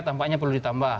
tampaknya perlu ditambah